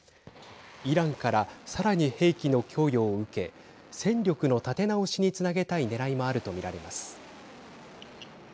イランからさらに兵器の供与を受け戦力の立て直しにつなげたいねらいもあると見られます。